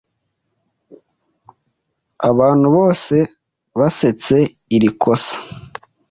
Abantu bose basetse iri kosa.